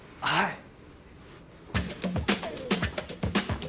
はい。